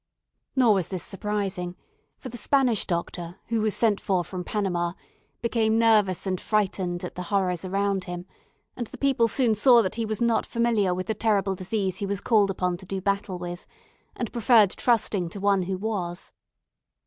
Nor was this surprising; for the Spanish doctor, who was sent for from Panama, became nervous and frightened at the horrors around him, and the people soon saw that he was not familiar with the terrible disease he was called upon to do battle with, and preferred trusting to one who was.